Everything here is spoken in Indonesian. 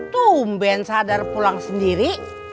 tumben sadar pulang sendiri